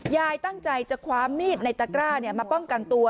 ยายตั้งใจจะคว้ามีดในตะกร้ามาป้องกันตัว